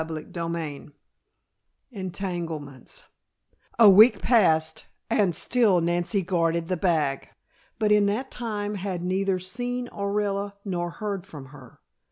CHAPTER XXI ENTANGLEMENTS A week passed and still Nancy guarded the bag, but in that time had neither seen Orilla nor heard from her.